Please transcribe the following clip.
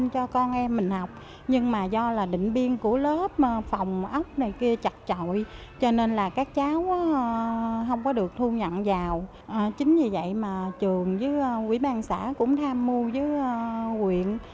cháu không có được thu nhận giàu chính vì vậy mà trường với ủy ban xã cũng tham mưu với huyện